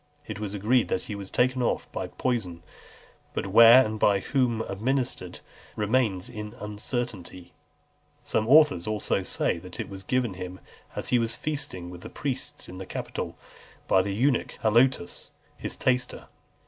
It is agreed that he was taken off by poison; but where, and by whom administered, remains in uncertainty. Some authors say that it was given him as he was feasting with the priests in the Capitol, by the eunuch Halotus, his taster.